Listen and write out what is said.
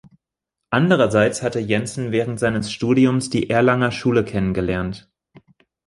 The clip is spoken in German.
Andererseits hatte Jensen während seines Studiums die Erlanger Schule kennengelernt.